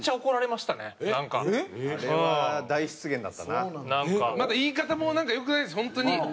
また言い方もなんか良くないんです本当に。